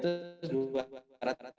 itu berubah ubah rata rata